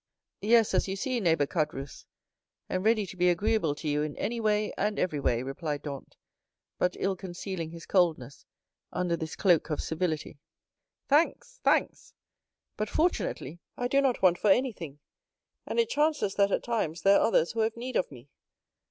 "Yes, as you see, neighbor Caderousse; and ready to be agreeable to you in any and every way," replied Dantès, but ill concealing his coldness under this cloak of civility. "Thanks—thanks; but, fortunately, I do not want for anything; and it chances that at times there are others who have need of me."